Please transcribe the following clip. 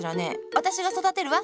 私が育てるわ。